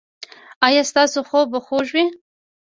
ایا ستاسو خوب به خوږ وي؟